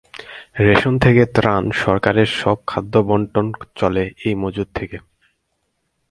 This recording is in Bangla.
রেশন থেকে ত্রাণ সরকারের সব খাদ্য বণ্টন চলে এই মজুত থেকে।